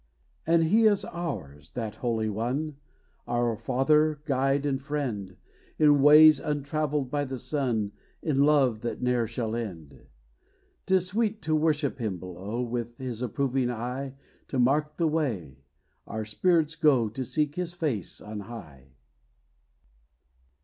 And he is ours that Holy One, Our Father, Guide, and Friend; In ways untravelled by the sun, In love that ne'er shall end. 'T is sweet to worship him below, With his approving eye To mark the way, our spirits go To seek his face on high.